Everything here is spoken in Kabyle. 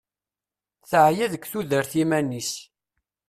Teɛya deg tudert iman-is.